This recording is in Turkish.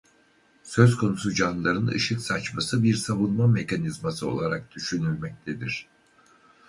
Söz konusu canlıların ışık saçması bir savunma mekanizması olarak düşünülmektedir.